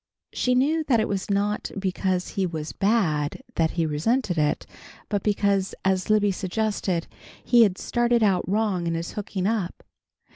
She knew that it was not because he was bad that he resented it, but because, as Libby suggested, he had "started out wrong in his hooking up."